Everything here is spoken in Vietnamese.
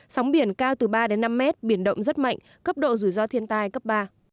sóng biển cao từ ba đến năm mét biển động rất mạnh cấp độ rủi ro thiên tai cấp ba